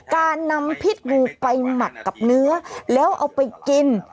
การนำพิษบูไปหมักกับเนื้อแล้วเอาไปกิน